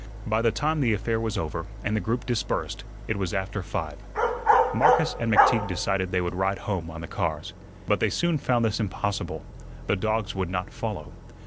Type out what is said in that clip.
By the time the affair was over and the group dispersed it was after five. Marcus and McTeague decided they would ride home on the cars. But they soon found this impossible. The dogs would not follow.